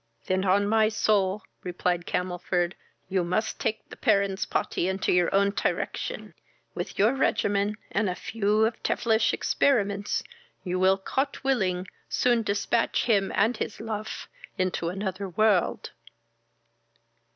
"Then, on my soul, (replied Camelford,) you must take the Paron's pody under your own tirection. With your regimen, and a few of tevilish experiments, you will, Cot willing, soon dispatch him and his luf into another world."